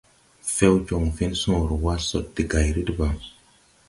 Few joŋ fen soorè wa sod de gayri deban.